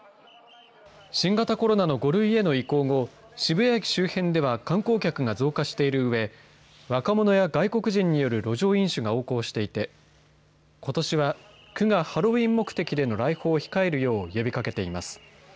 新型コロナの５類への移行後、渋谷駅周辺では観光客が増加しているうえ、若者や外国人による路上飲酒が横行していて、ことしは、区がハロウィーン目的での来訪を控えるよう呼びかけています。